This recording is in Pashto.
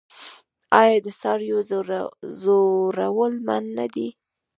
آیا د څارویو ځورول منع نه دي؟